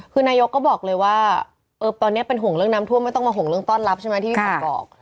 คือนายกก็บอกเลยว่าตอนนี้เป็นห่วงเรื่องน้ำท่วมไม่ต้องมาห่วงเรื่องต้อนรับใช่ไหมที่พี่ขวัญบอก